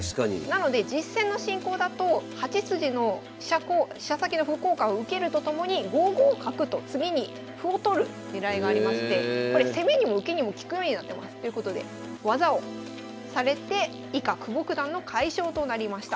なので実戦の進行だと８筋の飛車先の歩交換を受けるとともに５五角と次に歩を取る狙いがありましてこれ攻めにも受けにも利くようになってます。ということで技をされて以下久保九段の快勝となりました。